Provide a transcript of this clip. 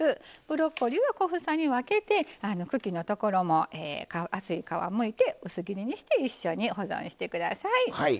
ブロッコリーは小房に分けて茎のところも厚い皮をむいて薄切りにして一緒に保存してください。